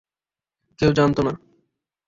কেউ জানত না।